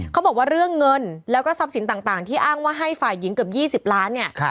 เขาบอกว่าเรื่องเงินแล้วก็ทรัพย์สินต่างที่อ้างว่าให้ฝ่ายหญิงเกือบ๒๐ล้านเนี่ย